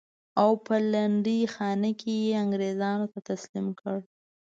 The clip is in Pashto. او په لنډۍ خانه کې یې انګرېزانو ته تسلیم کړل.